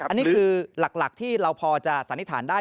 อันนี้คือหลักที่เราพอจะสันนิษฐานได้